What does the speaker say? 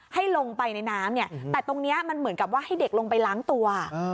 ให้ลงไปในน้ำเนี่ยแต่ตรงนี้มันเหมือนกับว่าให้เด็กลงไปล้างตัว